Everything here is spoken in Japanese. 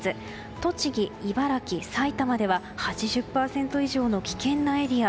栃木、茨城、埼玉では８０％以上の危険なエリア。